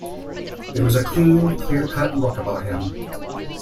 There was a clean, clear-cut look about him.